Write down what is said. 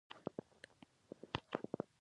انګور د افغانانو د فرهنګي پیژندنې برخه ده.